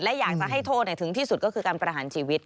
และอยากจะให้โทษถึงที่สุดก็คือการประหารชีวิต